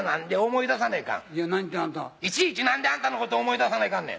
いちいち何であんたのこと思い出さないかんねん！